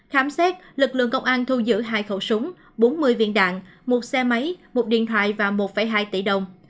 khám xét lực lượng công an thu giữ hai khẩu súng bốn mươi viên đạn một xe máy một điện thoại và một hai tỷ đồng